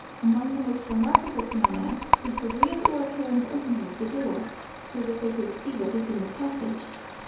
Among the most remarkable phenomena, is the real or apparent opening of the door, so that they could see what was in the passage.